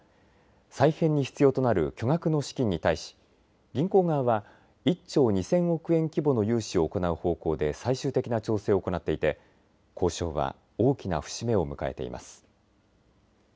再編に必要となる巨額の資金に対し銀行側は１兆２０００億円規模の融資を行う方向で最終的な調整を行っていて交渉は大きな節目を迎えています。